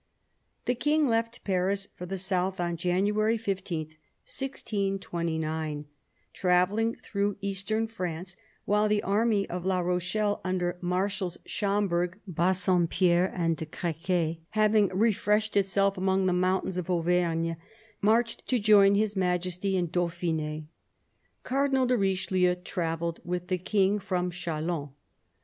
The King left Paris for the south on January 15, 1629, travelling through eastern France, while the army of La Rochelle, under Marshals Schomberg, Bassompierre, and de Crequy, having " refreshed itself" among the mountains of Auvergne, marched to join His Majesty in Dauphine. Cardinal de Richelieu travelled with the King from Chalons.